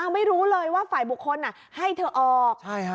ไม่รู้เลยว่าฝ่ายบุคคลให้เธอออก